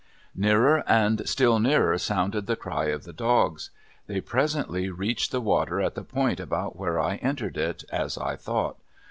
Nearer and still nearer sounded the cry of the dogs. They presently reached the water at the point about where I entered it, as I thought.